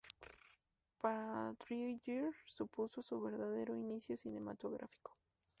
Para Dreyer supuso su verdadero inicio cinematográfico.